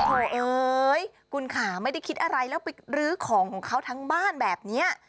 เอ้ยคุณค่ะไม่ได้คิดอะไรแล้วไปรื้อของของเขาทั้งบ้านแบบนี้